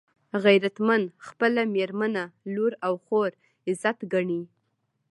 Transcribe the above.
غیرتمند خپله مېرمنه، لور او خور عزت ګڼي